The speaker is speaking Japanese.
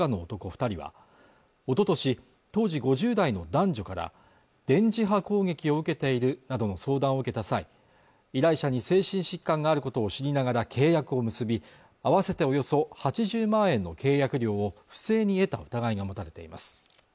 二人はおととし当時５０代の男女から電磁波攻撃を受けているなどの相談を受けた際依頼者に精神疾患があることを知りながら契約を結び合わせておよそ８０万円の契約料を不正に得た疑いが持たれています